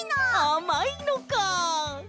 あまいのか！